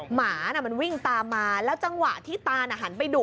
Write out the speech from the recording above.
หมาน่ะมันวิ่งตามมาแล้วจังหวะที่ตานหันไปดุ